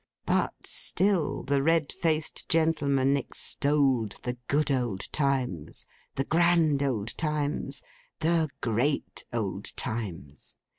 But still the red faced gentleman extolled the good old times, the grand old times, the great old times.